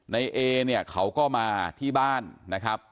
เอเนี่ยเขาก็มาที่บ้านนะครับ